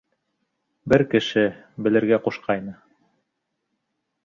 Бер кеше... белергә ҡушҡайны.